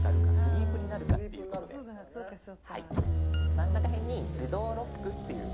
真ん中へんに「自動ロック」っていう。